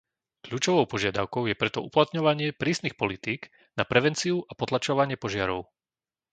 Kľúčovou požiadavkou je preto uplatňovanie prísnych politík na prevenciu a potlačovanie požiarov.